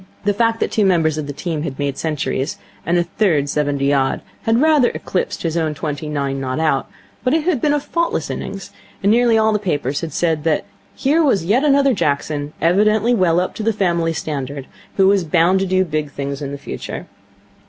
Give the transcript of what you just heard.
The fact that two members of the team had made centuries, and a third seventy odd, had rather eclipsed his own twenty nine not out; but it had been a faultless innings, and nearly all the papers had said that here was yet another Jackson, evidently well up to the family standard, who was bound to do big things in the future.